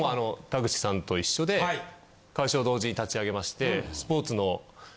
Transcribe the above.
田口さんと一緒で会社を同時に立ち上げまして。